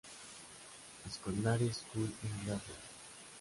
Secondary School en Glasgow.